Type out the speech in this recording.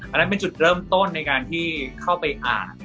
อันนั้นเป็นจุดเริ่มต้นในการที่เข้าไปอ่าน